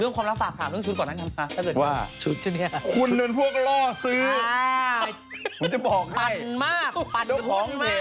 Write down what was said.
หรือใต้ตูนดาราเนี่ยก็เป็นคุณ